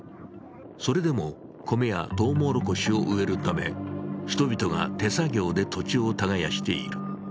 それでも米やとうもろこしを植えるため人々が手作業で土地を耕している。